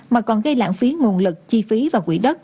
mà còn gây lãng phí nguồn lực chi phí và quỹ đất